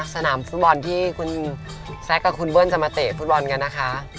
สนามฟุตบอลที่คุณแซคกับคุณเบิ้ลจะมาเตะฟุตบอลกันนะคะ